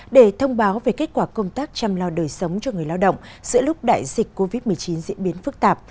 để thông báo về kết quả công tác chăm lo đời sống cho người lao động giữa lúc đại dịch covid một mươi chín diễn biến phức tạp